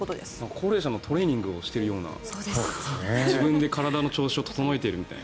高齢者のトレーニングをしているような自分で体の調子を整えているみたいな。